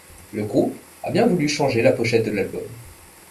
Le groupe a bien voulu changer la pochette de l'album.